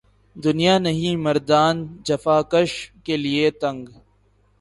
دنیا نہیں مردان جفاکش کے لیے تنگ